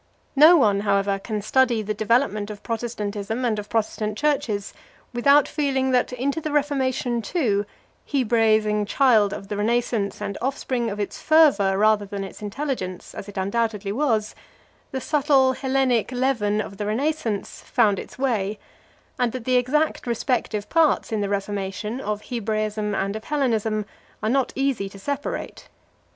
No one, however, can study the development of Protestantism and of Protestant churches without feeling that into the Reformation too, Hebraising child of the Renascence and offspring of its fervour, rather than its intelligence, as it undoubtedly was, the subtle Hellenic leaven of the Renascence found its way, and that the exact respective parts in the Reformation, of Hebraism and of Hellenism, are not easy to separate.